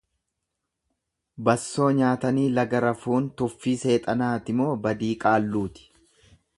Bassoo nyaatanii laga rafuun tuffii seexanaati moo badii qaalluuti.